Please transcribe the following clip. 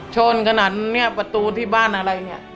ชนขนาดนี้ประตูที่บ้านอะไรเนี่ย